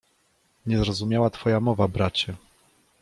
Niezrozumiała twoja mowa, bracie.